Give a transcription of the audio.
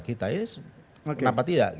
kita ya kenapa tidak